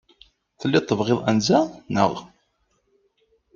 Telliḍ tebɣiḍ anza, naɣ?